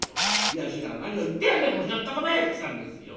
悔しいから『何を言ってやがんだこのひょっとこめ！』って言ったんですよ。